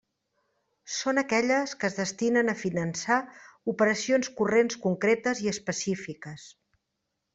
Són aquelles que es destinen a finançar operacions corrents concretes i específiques.